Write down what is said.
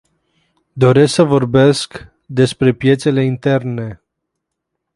Doresc să vorbesc despre piețele interne.